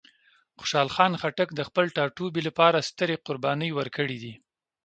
خوشحال خان خټک د خپل ټاټوبي لپاره سترې قربانۍ ورکړې دي.